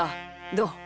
どう？